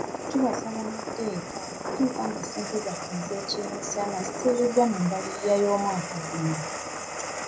Tubasaba mudde eka okutuusa nga ssente zaffe ez'ekyemisana ziteereddwa mu mbalirira y'omwaka guno.